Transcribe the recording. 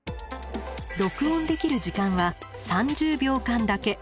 録音できる時間は３０秒間だけ。